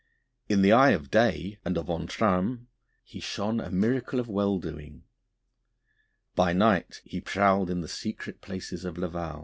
In the eye of day and of Entrammes he shone a miracle of well doing; by night he prowled in the secret places of Laval.